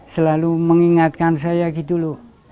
selalu mengingatkan saya gitu loh